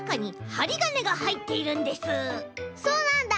そうなんだ！